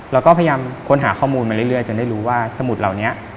เราก็พยายามค้นหาข้อมูลมาเรื่อยจนได้รู้ว่าสมุดเหล่านี้